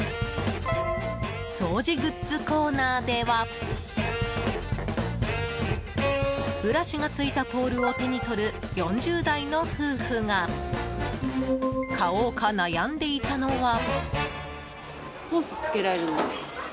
掃除グッズコーナーではブラシがついたポールを手に取る４０代の夫婦が買おうか悩んでいたのは。